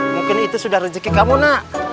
mungkin itu sudah rezeki kamu nak